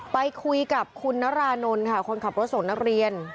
ไปคุยกับคุณนรานนท์ค่ะคนขับรถส่งนักเรียน